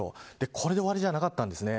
これで終わりじゃなかったんですね。